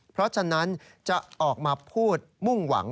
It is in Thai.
เพราะฉะนั้นจะออกมาพูดมุ่งหวัง